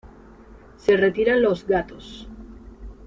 Se retiran los gatos.